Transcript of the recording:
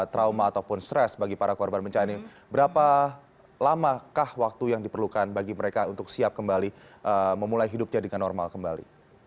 trauma ataupun stres bagi para korban bencana ini berapa lamakah waktu yang diperlukan bagi mereka untuk siap kembali memulai hidupnya dengan normal kembali